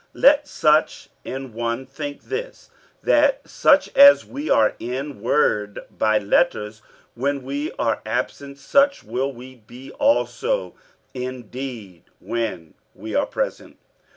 47:010:011 Let such an one think this, that, such as we are in word by letters when we are absent, such will we be also in deed when we are present.